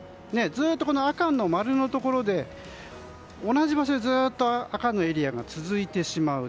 ずっと赤の丸のところで同じ場所で、ずっと赤のエリアが続いてしまう。